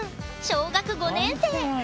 小学５年生。